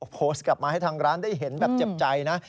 โพสต์กลับมาให้ทางร้านได้เห็นแบบเจ็บใจนะ